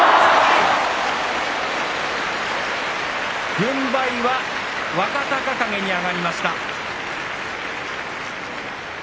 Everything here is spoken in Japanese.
軍配は若隆景に上がりました。